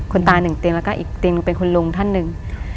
คุณตาหนึ่งเตียงแล้วก็อีกเตียงหนึ่งเป็นคุณลุงท่านหนึ่ง